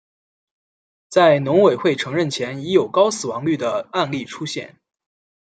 在农委会承认前已有高死亡率的案例出现。